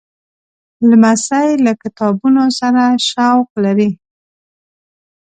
لمسی له کتابونو سره شوق لري.